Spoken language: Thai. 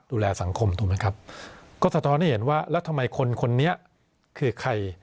ดูแลสังคมตรงนั้นครับกฎศาสตร์นี่เห็นว่าแล้วทำไมคนคนนี้คือใคร